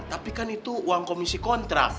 tapi kan itu uang komisi kontrak